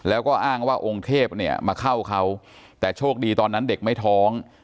แล้วก็อ้างว่าองค์เทพเนี่ยมาเข้าเขาแต่โชคดีตอนนั้นเด็กไม่ท้อง